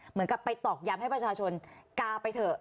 เหมือนกับไปตอกย้ำให้ประชาชนกาไปเถอะ